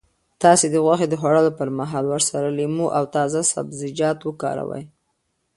تاسو د غوښې د خوړلو پر مهال ورسره لیمو او تازه سبزیجات وکاروئ.